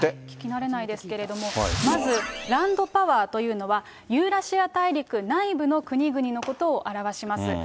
聞き慣れないですけれども、まずランドパワーというのは、ユーラシア大陸内部の国々のことを表します。